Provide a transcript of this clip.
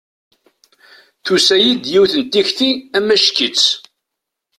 Tusa-iyi-d yiwet n tikti amacki-tt.